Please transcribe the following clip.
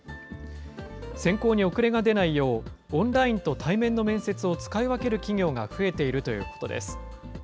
選考に遅れが出ないよう、オンラインと対面の面接を使い分ける企業が増えているということです。